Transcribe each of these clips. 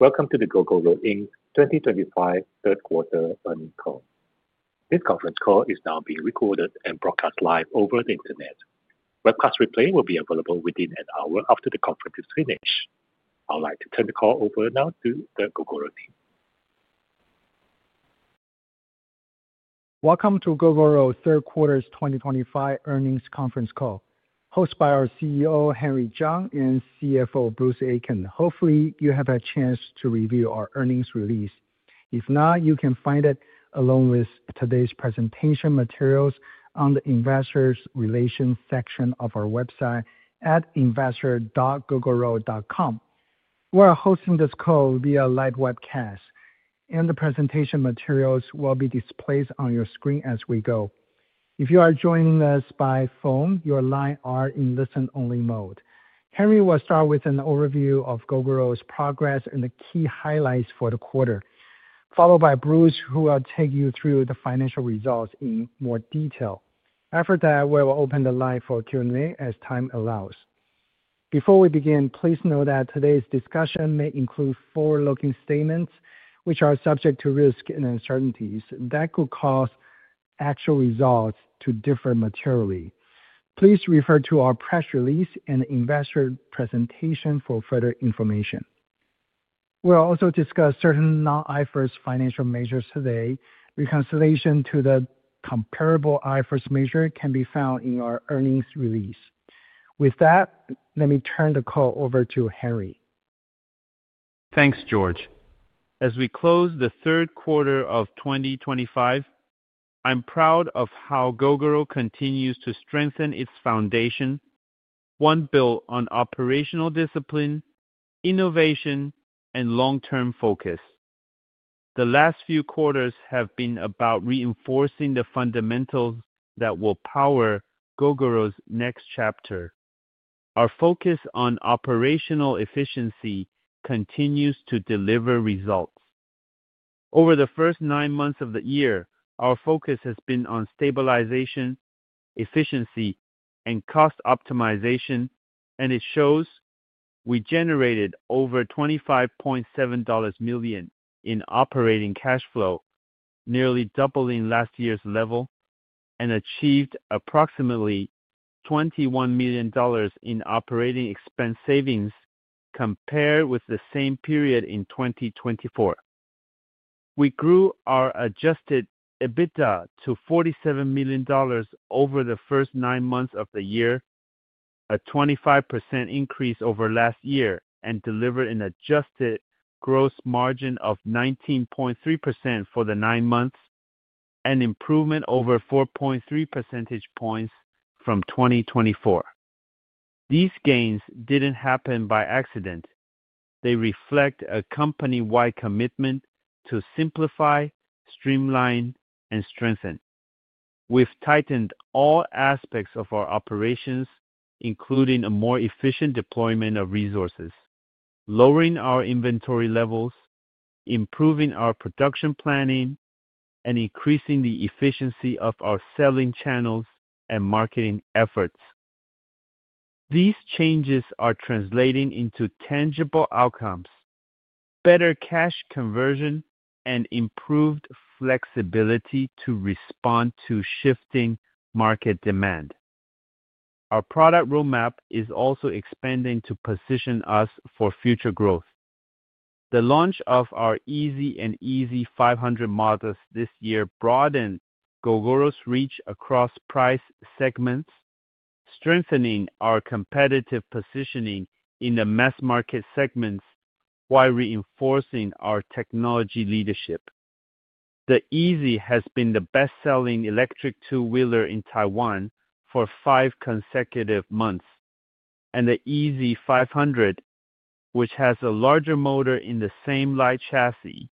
Welcome to the Gogoro 2025 third quarter earnings call. This conference call is now being recorded and broadcast live over the Internet. Webcast replay will be available within an hour after the conference is finished. I'd like to turn the call over now to the Gogoro team. Welcome to Gogoro third quarter 2025 earnings conference call hosted by our CEO Henry Chiang and CFO Bruce Aitken. Hopefully you have a chance to review our earnings release. If not, you can find it along with today's presentation materials on the Investor Relations section of our website at investor.gogoro.com. We are hosting this call via live webcast and the presentation materials will be displayed on your screen as we go. If you are joining us by phone, your lines are in listen only mode. Henry will start with an overview of Gogoro's progress and the key highlights for the quarter, followed by Bruce who will take you through the financial results in more detail. After that, we will open the line for Q&A as time allows. Before we begin, please note that today's discussion may include forward-looking statements which are subject to risks and uncertainties that could cause actual results to differ materially. Please refer to our press release and investor presentation for further information. We will also discuss certain non-IFRS financial measures today. Reconciliation to the comparable IFRS measure can be found in our earnings release. With that, let me turn the call over to Henry. Thanks George. As we close the third quarter of 2025, I'm proud of how Gogoro continues to strengthen its foundation, one built on operational discipline, innovation and long term focus. The last few quarters have been about reinforcing the fundamentals that will power Gogoro's next chapter. Our focus on operational efficiency continues to deliver results. Over the first nine months of the year, our focus has been on stabilization, efficiency and cost optimization and it shows. We generated over $25.7 million in operating cash flow, nearly doubling last year's level, and achieved approximately $21 million in operating expense savings compared with the same period in 2024. We grew our adjusted EBITDA to $47 million over the first nine months of the year, a 25% increase over last year and delivered an adjusted gross margin of 19.3% for the nine months, an improvement of 4.3 percentage points from 2024. These gains didn't happen by accident. They reflect a companywide commitment to simplify, streamline, and strengthen. We've tightened all aspects of our operations, including a more efficient deployment of resources, lowering our inventory levels, improving our production planning, and increasing the efficiency of our selling channels and marketing efforts. These changes are translating into tangible outcomes, better cash conversion, and improved flexibility to respond to shifting market demand. Our product roadmap is also expanding to position us for future growth. The launch of our Easy and Easy 500 models this year broadens Gogoro's reach across price segments, strengthening our competitive positioning in the mass market segments while reinforcing our technology leadership. The Easy has been the best selling electric two wheeler in Taiwan for five consecutive months, and the Easy 500, which has a larger motor in the same light chassis,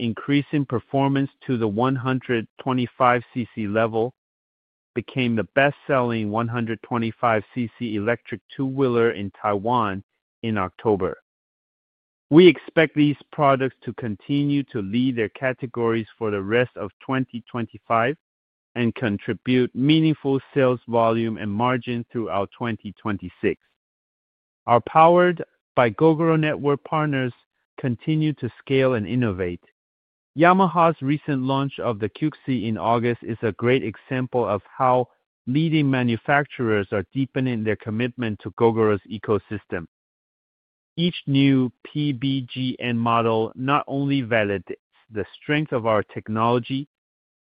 increasing performance to the 125cc level, became the best selling 125cc electric two wheeler in Taiwan in October. We expect these products to continue to lead their categories for the rest of 2025 and contribute meaningful sales volume and margin throughout 2026. Our Powered by Gogoro Network partners continue to scale and innovate. Yamaha's recent launch of the QXI in August is a great example of how leading manufacturers are deepening their commitment to Gogoro's ecosystem. Each new PBGN model not only validates the strength of our technology,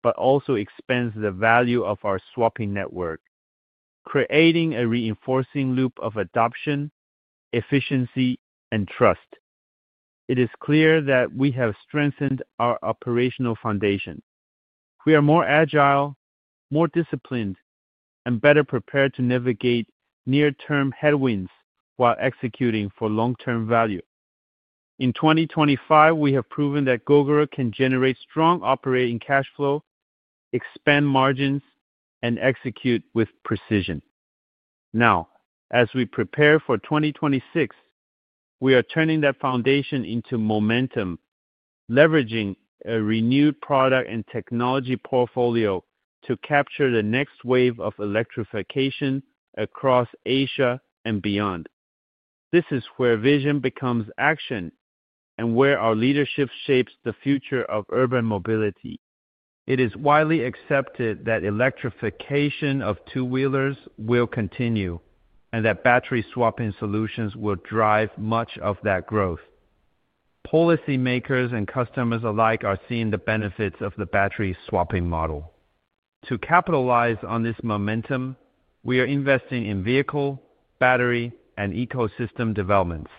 but also expands the value of our swapping network, creating a reinforcing loop of adoption, efficiency, and trust. It is clear that we have strengthened our operational foundation. We are more agile, more disciplined and better prepared to navigate near-term headwinds while executing for long-term value. In 2025 we have proven that Gogoro can generate strong operating cash flow, expand margins and execute with precision. Now as we prepare for 2026, we are turning that foundation into momentum, leveraging a renewed product and technology portfolio to capture the next wave of electrification across Asia and beyond. This is where vision becomes action and where our leadership shapes the future of urban mobility. It is widely accepted that electrification of two-wheelers will continue and that battery swapping solutions will drive much of that growth. Policymakers and customers alike are seeing the benefits of the battery swapping model. To capitalize on this momentum, we are investing in vehicle, battery, and ecosystem developments.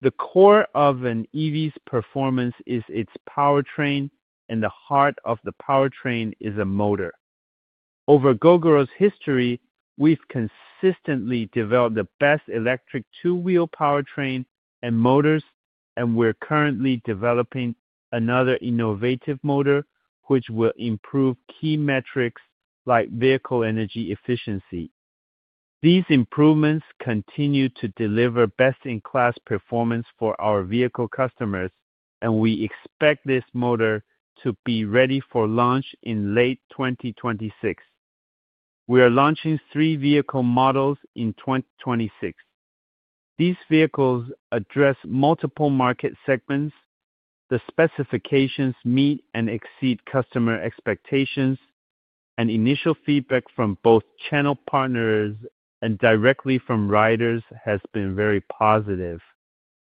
The core of an EV's performance is its powertrain and the heart of the powertrain is a motor. Over Gogoro's history, we've consistently developed the best electric two-wheel powertrain and motors and we're currently developing another innovative motor which will improve key metrics like vehicle energy efficiency. These improvements continue to deliver best-in-class performance for our vehicle customers and we expect this motor to be ready for launch in late 2026. We are launching three vehicle models in 2026. These vehicles address multiple market segments, the specifications meet and exceed customer expectations and initial feedback from both channel partners and directly from riders has been very positive.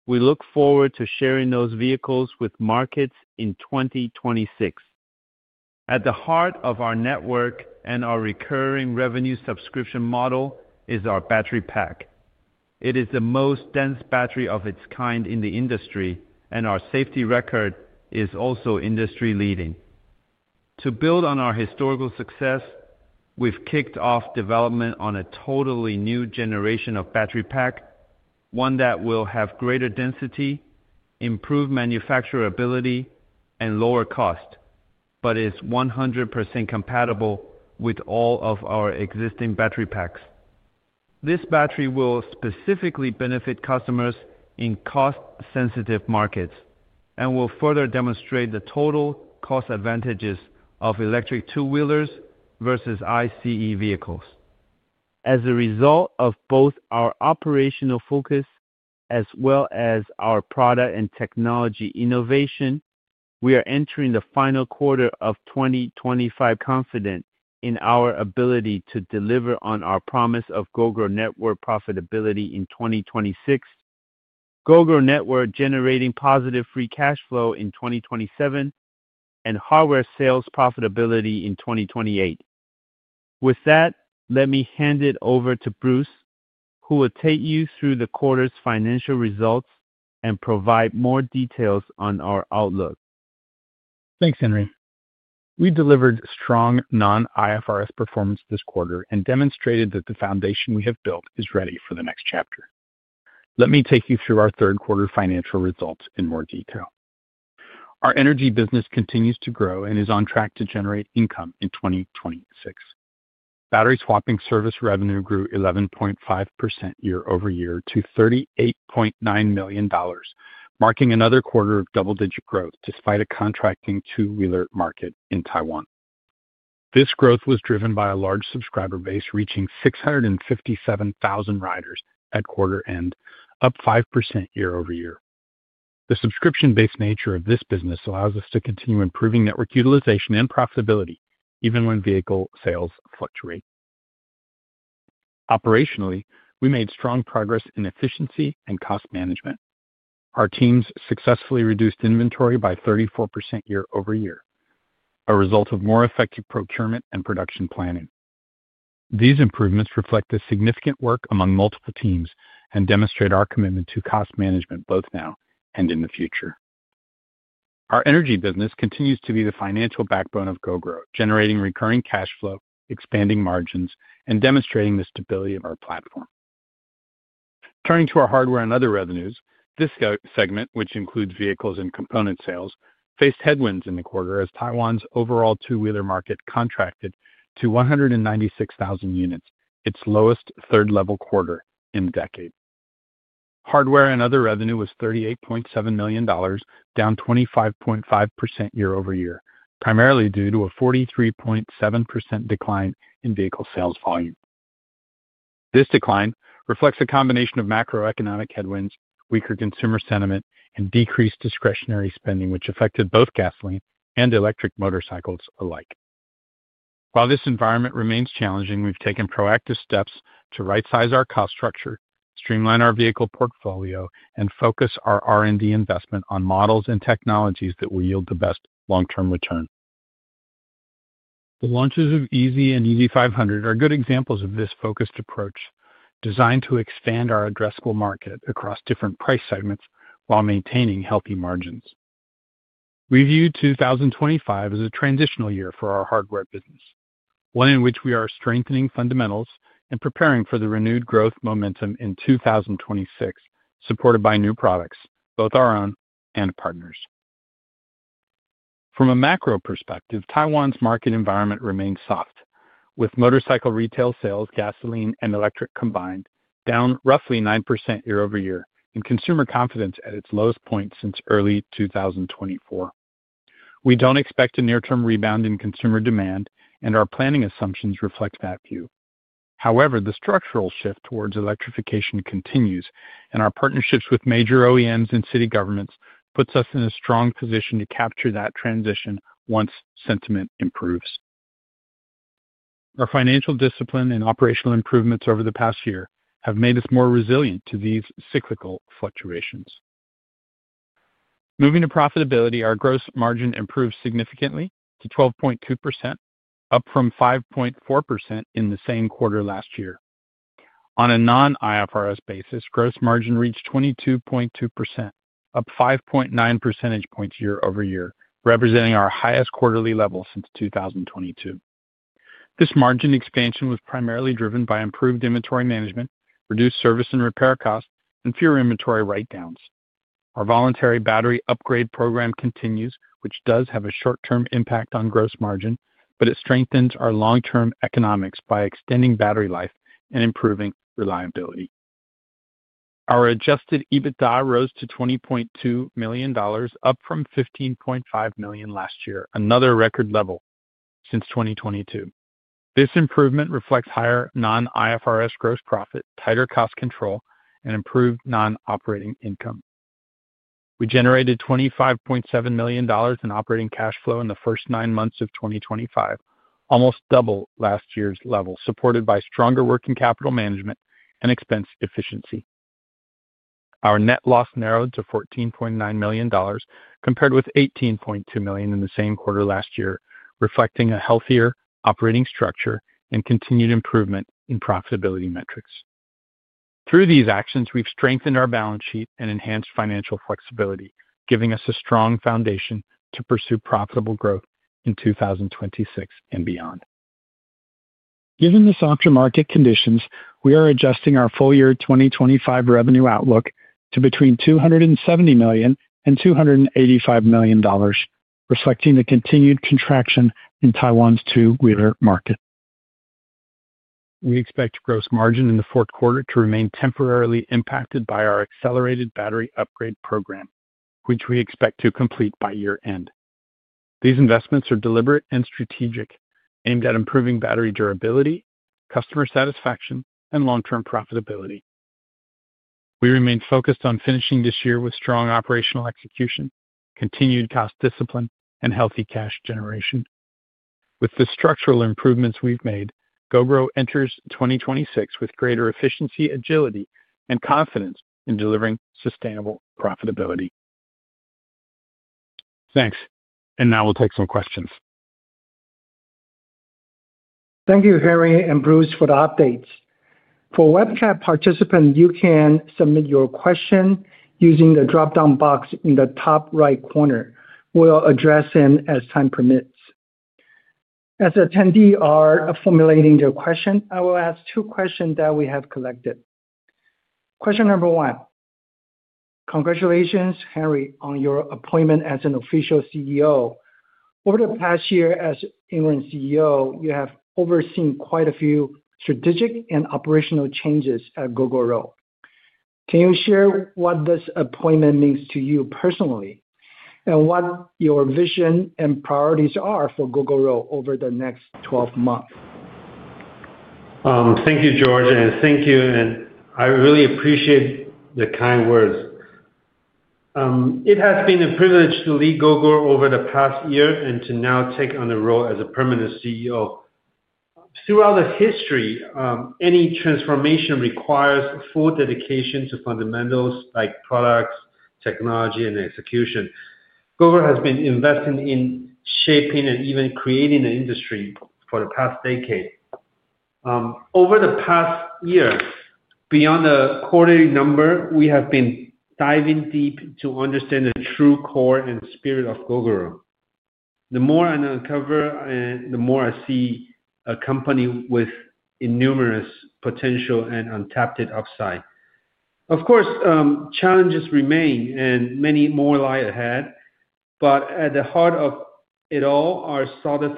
We look forward to sharing those vehicles with markets in 2026. At the heart of our network and our recurring revenue subscription model is our battery pack. It is the most dense battery of its kind in the industry and our safety record is also industry leading. To build on our historical success, we've kicked off development on a totally new generation of battery pack, one that will have greater density, improved manufacturability, and lower cost, but is 100% compatible with all of our existing battery packs. This battery will specifically benefit customers in cost sensitive markets and will further demonstrate the total cost advantages of electric two wheelers versus ICE vehicles. As a result of both our operational focus as well as our product and technology innovation, we are entering the final quarter of 2025 confident in our ability to deliver on our promise of Gogoro Network profitability in 2026, Gogoro Network generating positive free cash flow in 2027, and hardware sales profitability in 2028. With that, let me hand it over to Bruce who will take you through the quarter's financial results and provide more details on our outlook. Thanks Henry. We delivered strong non-IFRS performance this quarter and demonstrated that the foundation we have built is ready for the next chapter. Let me take you through our third quarter financial results in more detail. Our energy business continues to grow and is on track to generate income in 2026. Battery swapping service revenue grew 11.5% year- over-year to $38.9 million, marking another quarter of double-digit growth despite a contracting two-wheeler market in Taiwan. This growth was driven by a large subscriber base reaching 657,000 riders at quarter end, up 5% year-over-year. The subscription-based nature of this business allows us to continue improving network utilization and profitability even when vehicle sales fluctuate. Operationally, we made strong progress in efficiency and cost management. Our teams successfully reduced inventory by 34% year-over-year, a result of more effective procurement and production planning. These improvements reflect the significant work among multiple teams and demonstrate our commitment to cost management both now and in the future. Our energy business continues to be the financial backbone of Gogoro, generating recurring cash flow, expanding margins and demonstrating the stability of our platform. Turning to our hardware and other revenues, this segment, which includes vehicles and component sales, faced headwinds in the quarter. As Taiwan's overall two-wheeler market contracted to 196,000 units, its lowest third quarter level in a decade. Hardware and other revenue was $38.7 million, down 25.5% year-over-year, primarily due to a 43.7% decline in vehicle sales volume. This decline reflects a combination of macroeconomic headwinds, weaker consumer sentiment and decreased discretionary spending which affected both gasoline and electric motorcycles alike. While this environment remains challenging, we've taken proactive steps to right size our cost structure, streamline our vehicle portfolio, and focus our R&D investment on models and technologies that will yield the best long term return. The launches of Easy and Easy 500 are good examples of this focused approach designed to expand our addressable market across different price segments while maintaining healthy margins. We view 2025 as a transitional year for our hardware business, one in which we are strengthening fundamentals and preparing for the renewed growth momentum in 2026 supported by new products, both our own and partners. From a macro perspective, Taiwan's market environment remains soft with motorcycle retail sales, gasoline and electric combined, down roughly 9% year-over-year, and consumer confidence at its lowest point since early 2024. We don't expect a near term rebound in consumer demand and our planning assumptions reflect that view. However, the structural shift towards electrification continues and our partnerships with major OEMs and city governments puts us in a strong position to capture that transition once sentiment improves. Our financial discipline and operational improvements over the past year have made us more resilient to these cyclical fluctuations. Moving to profitability, our gross margin improved significantly to 12.2%, up from 5.4% in the same quarter last year. On a non-IFRS basis, gross margin reached 22.2%, up 5.9 percentage points year-over-year, representing our highest quarterly level since 2022. This margin expansion was primarily driven by improved inventory management, reduced service and repair costs and fewer inventory write downs. Our voluntary battery upgrade program continues, which does have a short term impact on gross margin, but it strengthens our long term economics by extending battery life and improving reliability. Our adjusted EBITDA rose to $20.2 million, up from $15.5 million last year, another record level since 2022. This improvement reflects higher non-IFRS gross profit, tighter cost control, and improved non-operating income. We generated $25.7 million in operating cash flow in the first nine months of 2025, almost double last year's level, supported by stronger working capital management and expense efficiency. Our net loss narrowed to $14.9 million compared with $18.2 million in the same quarter last year, reflecting a healthier operating structure and continued improvement in profitability metrics. Through these actions, we've strengthened our balance sheet and enhanced financial flexibility, giving us a strong foundation to pursue profitable growth in 2026 and beyond. Given the softer market conditions, we are adjusting our full year 2025 revenue outlook. To between $270 million and $285 million, reflecting the continued contraction in Taiwan's two wheeler market. We expect gross margin in the fourth quarter to remain temporarily impacted by our accelerated battery upgrade program, which we expect to complete by year end. These investments are deliberate and strategic, aimed at improving battery durability, customer satisfaction and long term profitability. We remain focused on finishing this year with strong operational execution, continued cost discipline and healthy cash generation. With the structural improvements we've made, Gogoro enters 2026 with greater efficiency, agility and confidence in delivering sustainable profitability. Thanks and now we'll take some questions. Thank you Henry and Bruce for the updates. For webcast participants, you can submit your question using the dropdown box in the top right corner. We'll address them as time permits. As attendees are formulating their question, I will ask two questions that we have collected. Question number one. Congratulations Henry on your appointment as official CEO. Over the past year, as interim CEO, you have overseen quite a few strategic and operational changes at Gogoro. Can you share what this appointment means to you personally and what your vision and priorities are for Gogoro over the next 12 months? Thank you, George, and thank you and I really appreciate the kind words. It has been a privilege to lead Gogoro over the past year and to now take on the role as a permanent CEO. Throughout the history, any transformation requires full dedication to fundamentals like products, technology, and execution. Gogoro has been investing in shaping and even creating the industry for the past decade. Over the past year, beyond the quarterly number, we have been diving deep to understand the true core and spirit of Gogoro. The more I uncover, the more I see a company with innumerous potential and untapped upside. Of course, challenges remain and many more lie ahead, but at the heart of it all are solid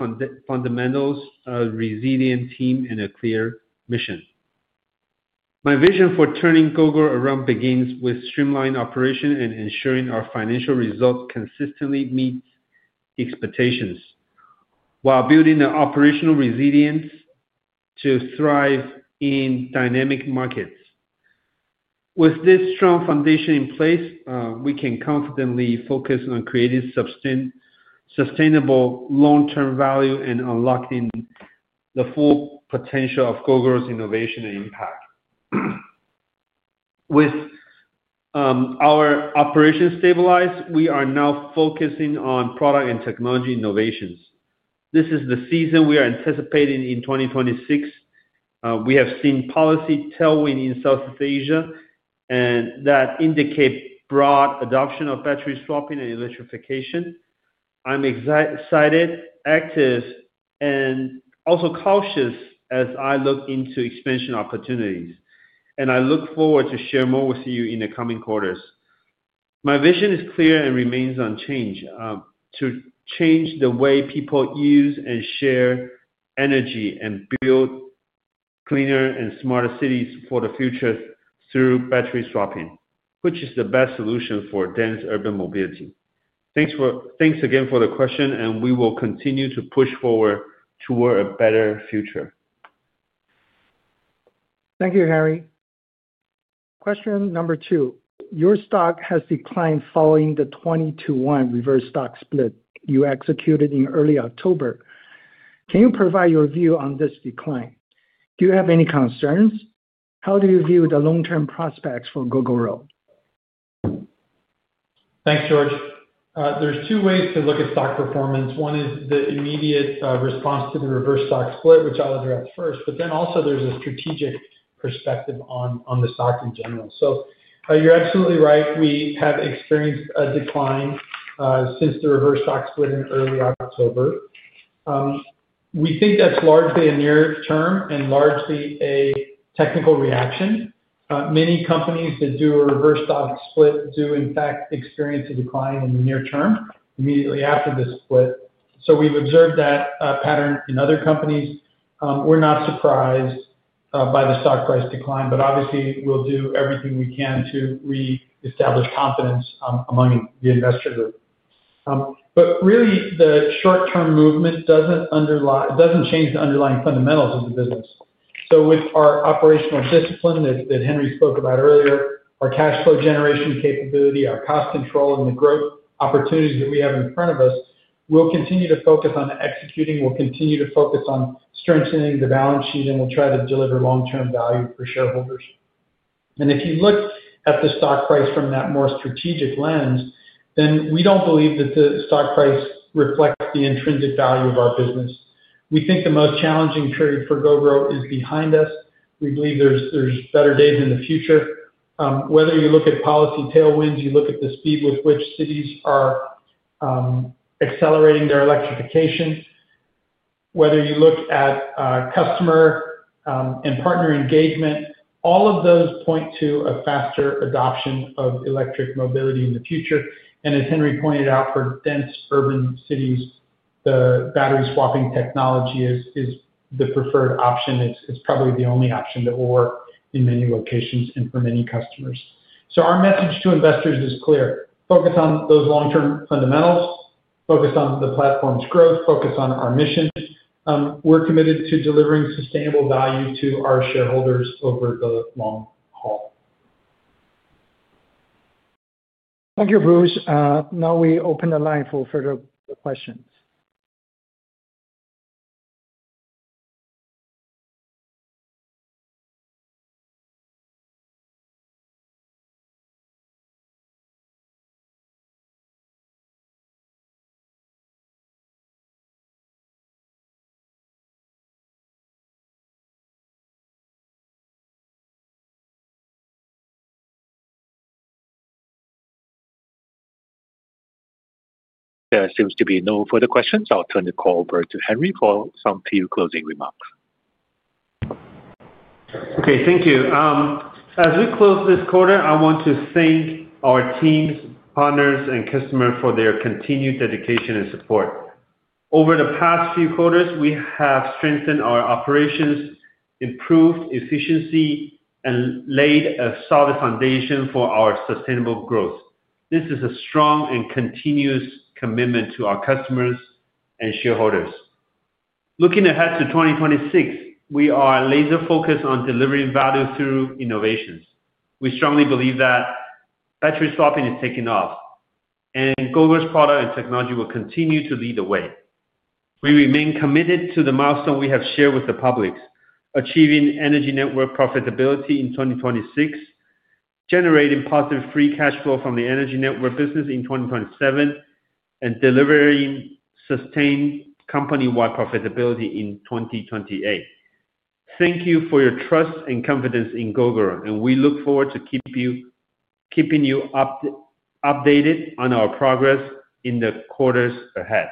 fundamentals, a resilient team and a clear mission. My vision for turning Gogoro around begins with streamlined operation and ensuring our financial results consistently meet expectations while building the operational resilience to thrive in dynamic markets. With this strong foundation in place, we can confidently focus on creating sustainable long term value and unlocking the full potential of Gogoro's innovation and impact. With our operations stabilized, we are now focusing on product and technology innovations. This is the season we are anticipating in 2026. We have seen policy tailwind in Southeast Asia and that indicates broad adoption of battery swapping and electrification. I'm excited, active and also cautious as I look into expansion opportunities and I look forward to share more with you in the coming quarters. My vision is clear and remains unchanged to change the way people use and share energy and build cleaner and smarter cities for the future through battery swapping, which is the best solution for dense urban mobility. Thanks again for the question and we will continue to push forward toward a better future. Thank you, Henry. Question number two. your stock has declined following the 20 to 1 reverse stock split you executed in early October. Can you provide your view on this decline? Do you have any concerns? How do you view the long term prospects for Gogoro? Thanks, George. There are two ways to look at stock performance. One is the immediate response to the reverse stock split, which I'll address first. There is also a strategic perspective on the stock in general. You're absolutely right. We have experienced a decline since the reverse stock split in early October. We think that's largely a near-term and largely a technical reaction. Many companies that do a reverse stock split do in fact experience a decline in the near term immediately after the split. We've observed that pattern in other companies. We're not surprised by the stock price decline, but obviously we'll do everything we can to reestablish confidence among the investor group. Really, the short-term movement doesn't change the underlying fundamentals of the business. With our operational discipline that Henry spoke about earlier, our cash flow generation capability, our cost control and the growth opportunities that we have in front of us, we'll continue to focus on executing. We'll continue to focus on strengthening the balance sheet and we'll try to deliver long term value for shareholders. If you look at the stock price from that more strategic lens, then we do not believe that the stock price reflects the intrinsic value of our business. We think the most challenging period for Gogoro is behind us. We believe there are better days in the future. Whether you look at policy tailwinds, you look at the speed with which cities are accelerating their electrification, whether you look at customer and partner engagement, all of those point to a faster adoption of electric mobility in the future. As Henry pointed out, for dense urban cities, the battery swapping technology is the preferred option. It's probably the only option that will work in many locations and for many customers. Our message to investors is clear. Focus on those long term fundamentals, focus on the platform's growth, focus on our mission. We're committed to delivering sustainable value to our shareholders over the long. Thank you, Bruce. Now we open the line for further questions. There seems to be no further questions. I'll turn the call over to Henry for some few closing remarks. Okay, thank you. As we close this quarter, I want to thank our teams, partners, and customers for their continued dedication and support. Over the past few quarters, we have strengthened our operations, improved efficiency, and laid a solid foundation for our sustainable growth. This is a strong and continuous commitment to our customers and shareholders. Looking ahead to 2026, we are laser focused on delivering value through innovations. We strongly believe that battery swapping is taking off and Gogoro's product and technology will continue to lead the way. We remain committed to the milestone we have shared with the public: achieving Energy network profitability in 2026, generating positive free cash flow from the Energy network business in 2027, and delivering sustained company wide profitability in 2028. Thank you for your trust and confidence in Gogoro and we look forward to keeping you updated on our progress in the quarters ahead.